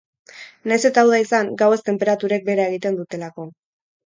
Nahiz eta uda izan, gauez tenperaturek behera egiten dutelako.